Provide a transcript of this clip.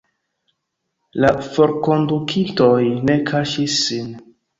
La forkondukintoj ne kaŝis sin.